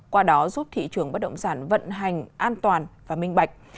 qua đó giúp thị trường bất động sản vận hành an toàn và minh bạch